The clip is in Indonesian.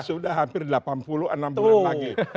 sudah hampir delapan puluh enam bulan lagi